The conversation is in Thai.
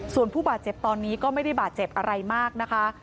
ส่วนผู้บาดเจ็บตอนนี้ก็ไม่ได้บาดเจ็บอะไรมากนะคะ